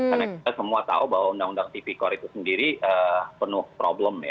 karena kita semua tahu bahwa undang undang tipikor itu sendiri penuh problem